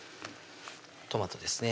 トマトですね